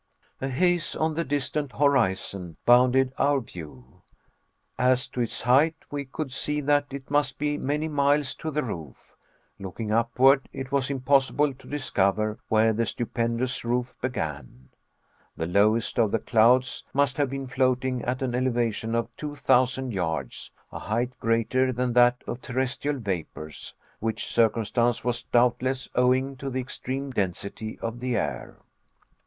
A haze on the distant horizon bounded our view. As to its height, we could see that it must be many miles to the roof. Looking upward, it was impossible to discover where the stupendous roof began. The lowest of the clouds must have been floating at an elevation of two thousand yards, a height greater than that of terrestrial vapors, which circumstance was doubtless owing to the extreme density of the air.